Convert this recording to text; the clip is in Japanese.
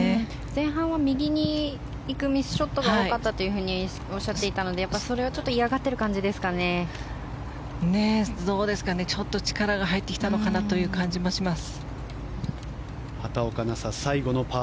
前半は右に行くミスショットが多かったとおっしゃっていたのでそれを嫌がっているちょっと力が入ってきたのかなという感じもします。